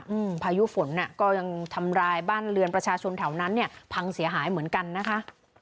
พายุฝนอ่ะก็ยังทำร้ายบ้านเรือนประชาชนแถวนั้นเนี้ยพังเสียหายเหมือนกันนะคะ